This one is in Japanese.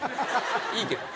いいけど。